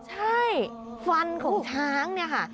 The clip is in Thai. ใช่ฟันของช้างเนี่ยค่ะ